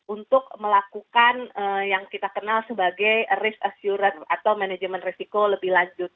untuk melakukan yang kita kenal sebagai risk assurance atau manajemen risiko lebih lanjut